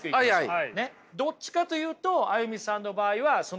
はい。